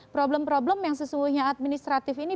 problem problem yang sesungguhnya administratif ini